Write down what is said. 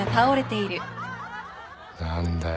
何だよ。